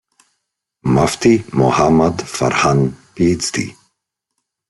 Mufti Mohammad Farhan, PhD.